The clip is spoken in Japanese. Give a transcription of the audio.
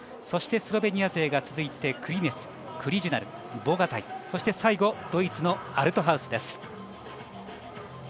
そして、スロベニア勢が続いてクリネツ、クリジュナルボガタイ、そして最後ドイツのアルトハウスです。